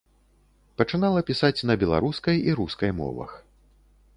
Пачынала пісаць на беларускай і рускай мовах.